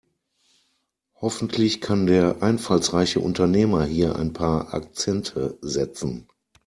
Hoffentlich kann der einfallsreiche Unternehmer hier ein paar Akzente setzen.